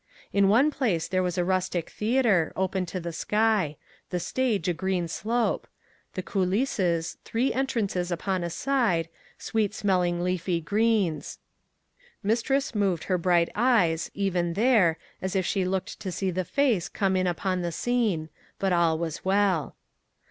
In one place there was a rustic theatre, open to the sky; the stage a green slope; the coulisses, three entrances upon a side, sweet smelling leafy screens. Mistress moved her bright eyes, even there, as if she looked to see the face come in upon the scene; but all was well.